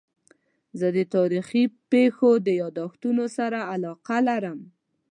زه د تاریخي پېښو د یادښتونو سره علاقه لرم.